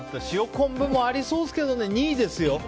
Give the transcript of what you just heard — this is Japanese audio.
塩昆布もありそうですけど２位ですよ。